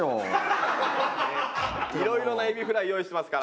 いろいろなエビフライ用意してますから。